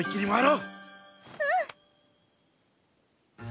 うん！